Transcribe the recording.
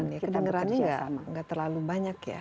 sembilan ya kedengerannya gak terlalu banyak ya